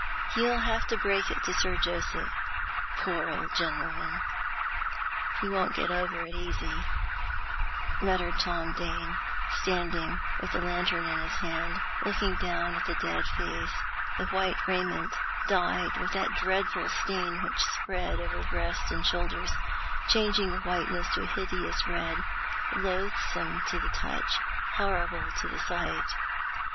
He'll have to break it to Sir Joseph ; poor old gentleman !" "He won't get over it easy," muttered Tom Dane, standing with the lantern in his hand, looking down at the dead face, the white raiment, dyed with that dreadful stain which spread over breast and shoulders, changing the whiteness to a hideous red ; loathsome to the touch, horrible to the sight.